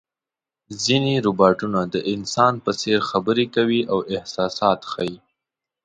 ځینې روباټونه د انسان په څېر خبرې کوي او احساسات ښيي.